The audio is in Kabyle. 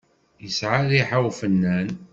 Yesɛa rriḥa ufennan.